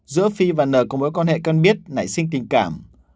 giữa phi và n có mối quan hệ quen biết nảy sinh tình cảm